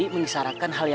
menjela belanya saja